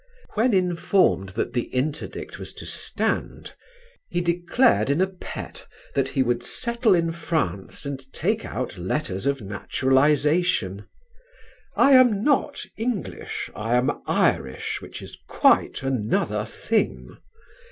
When informed that the interdict was to stand, he declared in a pet that he would settle in France and take out letters of naturalisation: "I am not English. I am Irish which is quite another thing."